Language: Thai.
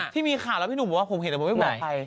พี่มีค่าแล้วผมเห็นแต่ไม่บอกใคร